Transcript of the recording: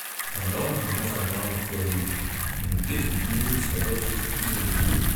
Pendant un ouragan en Floride, une petite ville se retrouve isolée.